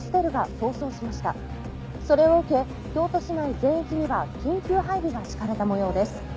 「それを受け京都市内全域には緊急配備が敷かれた模様です」